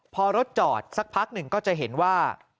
พอรถจอดสักพักหนึ่งก็จะเห็นว่า